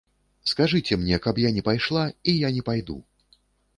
Скажыце мне, каб я не пайшла, і я не пайду.